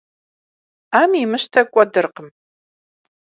Ӏэм имыщтэ кӀуэдыркъым.